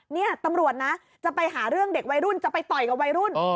นี่ตำรวจนะจะไปหาเรื่องเด็กวัยรุ่นจะไปต่อยกับวัยรุ่น